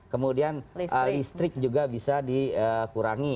kemudian listrik juga bisa dikurangi